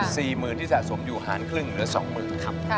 สี่หมื่นที่สะสมอยู่หารครึ่งเหลือสองหมื่นครับ